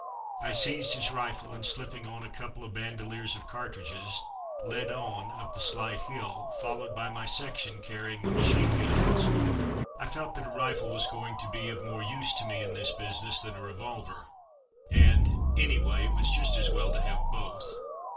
I seized his rifle, and slipping on a couple of bandoliers of cartridges, led on up the slight hill, followed by my section carrying the machine guns. I felt that a rifle was going to be of more use to me in this business than a revolver, and, anyway, it was just as well to have both.